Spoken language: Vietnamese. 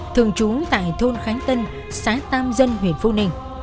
thường trú tại thôn khánh tân xã tam dân huyện phu ninh